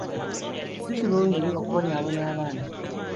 Ssi kirungi okubonyaabonya abaana.